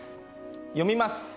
読みます。